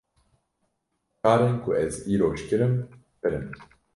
Karên ku ez îroj bikim, pir in.